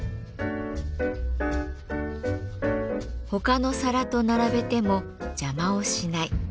ほかの皿と並べても邪魔をしない。